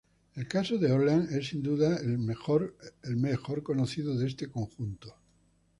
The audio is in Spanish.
El caso de Orleans es, sin duda, el mejor conocido de este conjunto.